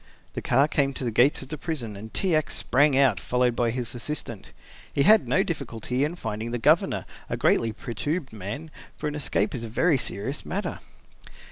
The car came to the gates of the prison and T. X. sprang out, followed by his assistant. He had no difficulty in finding the Governor, a greatly perturbed man, for an escape is a very serious matter.